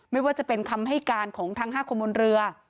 ไม่ว่าจะเป็นคำให้การของทั้ง๕คนบนเรือ